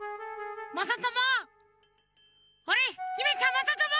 まさとも！